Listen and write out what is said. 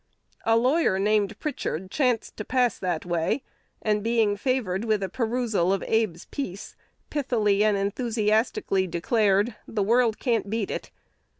A lawyer named Pritchard chanced to pass that way, and, being favored with a perusal of Abe's "piece," pithily and enthusiastically declared, "The world can't beat it."